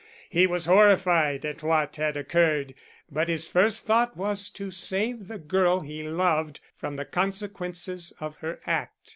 He was horrified at what had occurred but his first thought was to save the girl he loved from the consequences of her act.